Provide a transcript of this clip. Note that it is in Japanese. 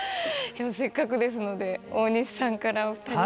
せっかくですので大西さんからお二人に。